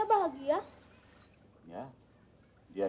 dalam mimpi hai pembukuan hai dari uang